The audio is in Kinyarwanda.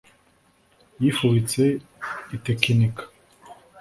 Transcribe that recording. yifubitse itekinika